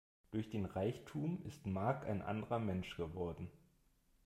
Durch den Reichtum ist Mark ein anderer Mensch geworden.